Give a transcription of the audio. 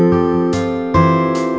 saya akan meminta pertolongan kepada kamu